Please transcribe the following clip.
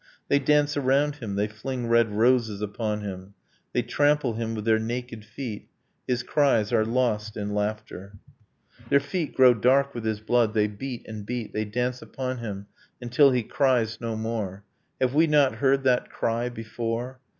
They dance around him, they fling red roses upon him, They trample him with their naked feet, His cries are lost in laughter, Their feet grow dark with his blood, they beat and beat, They dance upon him, until he cries no more ... Have we not heard that cry before?